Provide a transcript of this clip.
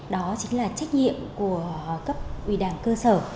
đó chính là trách nhiệm của cấp ủy đảng cơ sở